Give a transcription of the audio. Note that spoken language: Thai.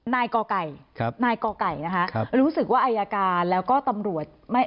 นายก่อไก่รู้สึกว่าตำรวจ